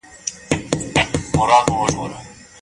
ده په خپله صافه باندې د موټر چټلي لرې کړه.